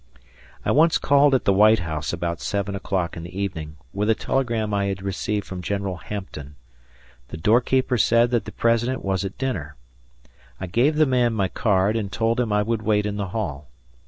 I once called at the White House about seven o'clock in the evening, with a telegram I had received from General Hampton. The door keeper said that the President was at dinner. I gave the man my card and told him I would wait in the hall.